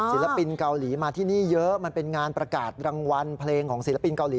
ศิลปินเกาหลีมาที่นี่เยอะมันเป็นงานประกาศรางวัลเพลงของศิลปินเกาหลี